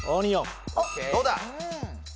どうだ？